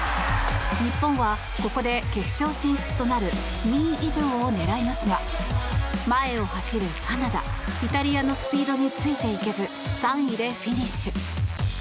日本はここで、決勝進出となる２位以上を狙いますが前を走るカナダ、イタリアのスピードについていけず３位でフィニッシュ。